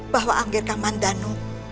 bahwa anggir kamandanu